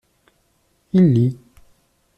Il lit.